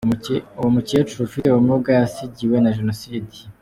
Uwo mukecuru afite ubumuga yasigiwe na Jenoside.